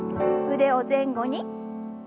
腕を前後に。